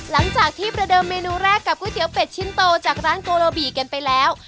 หลังจากที่ประเดิมเมนูแรกกับก๋วยเตี๋ยเป็ดชิ้นโตจากร้านโกโลบีกันไปแล้ว